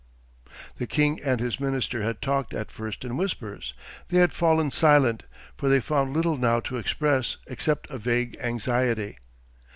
The king and his minister had talked at first in whispers; they had fallen silent, for they found little now to express except a vague anxiety.